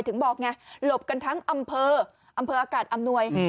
ถึงบอกไงหลบกันทั้งอำเภออำเภออากาศอำนวย